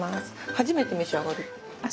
初めて召し上がるって。